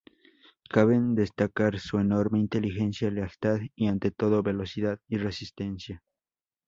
Caben destacar su enorme inteligencia, lealtad y, ante todo, velocidad y resistencia.